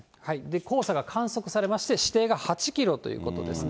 黄砂が観測されまして、視程が８キロということですね。